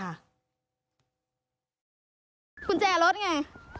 ก็ลืมบอกว่าอยู่ในกาแน่น่ะเพราะว่าไง